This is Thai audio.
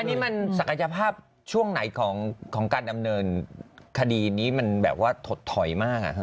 อันนี้มันศักยภาพช่วงไหนของการดำเนินคดีนี้มันแบบว่าถดถอยมาก